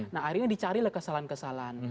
nah akhirnya dicarilah kesalahan kesalahan